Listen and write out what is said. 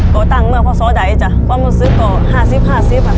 โกตังเมื่อพอสอใดจ๊ะประมูลซื้อโก๕๕ซิบค่ะค่ะ